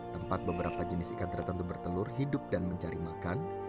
tempat beberapa jenis ikan tertentu bertelur hidup dan mencari makan